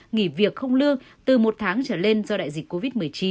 nghỉ việc không lương từ một tháng trở lên do đại dịch covid một mươi chín